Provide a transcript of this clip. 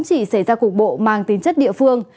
nhiệt độ mang tính chất địa phương